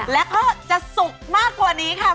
แล้วก็จะสุกมากกว่านี้ค่ะ